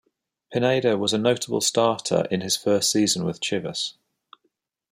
Pineda was a notable starter in his first season with Chivas.